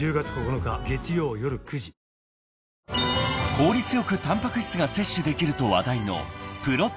［効率よくタンパク質が摂取できると話題の］